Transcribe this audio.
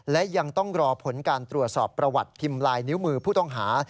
และยังต้องรอผลการตรวจสอบประวัติพิมพ์ลายนิ้วมือผู้ต้องหา